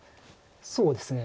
そうですね。